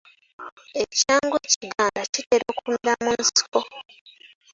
Ekyangwe ekiganda kitera okumera ku nsiko.